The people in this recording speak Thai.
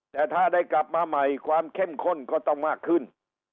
แต่ถ้าได้กลับมาใหม่ความเข้มข้นก็ต้องมากขึ้น